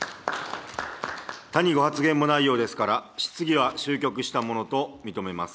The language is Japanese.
他にご発言もないようですから、質疑は終局したものと認めます。